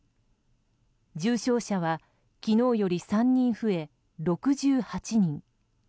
重症者は昨日より３人増え６８人。